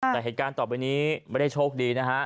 แต่เหตุการณ์ต่อไปนี้ไม่ได้โชคดีนะฮะ